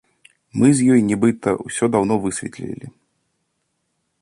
Мы з ёй, нібыта, усё даўно высветлілі.